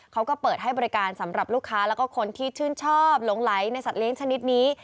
เขาก็เปิดให้บริการสำหรับลูกค้าแล้วก็คนที่ชื่นชอบหลงไหลในสัตว์ชนิดนี้